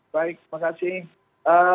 baik terima kasih